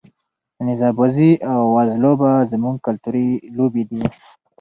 نیزه بازي او وزلوبه زموږ کلتوري لوبې دي.